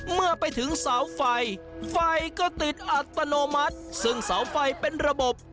เมื่อไปถึงเสาไฟไฟก็ติดอัตโนมัติซึ่งเสาไฟเป็นระบบ